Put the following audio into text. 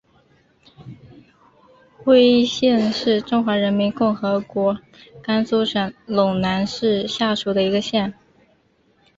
徽县是中华人民共和国甘肃省陇南市下属的一个县。